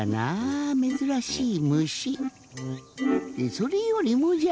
それよりもじゃ。